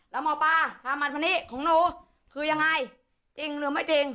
แล้วหมอปลาถ้ามันวันนี้ของหนูคือยังไงจริงหรือไม่จริง